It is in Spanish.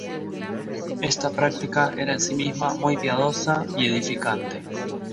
Esta práctica era en sí misma muy piadosa y edificante.